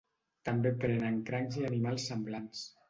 També prenen crancs i animals semblants.